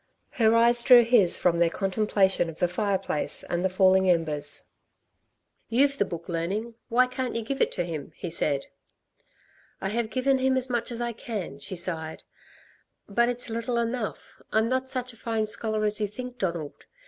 Her eyes drew his from their contemplation of the fireplace and the falling embers. "You've the book learning, why can't you give it to him?" he said. "I have given him as much as I can," she sighed, "but it's little enough. I'm not such a fine scholar as you think, Donald.